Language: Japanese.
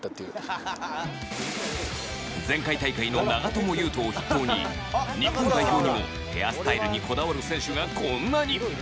前回大会の長友佑都を筆頭に日本代表にもヘアスタイルにこだわる選手がこんなに！